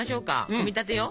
組み立てよ。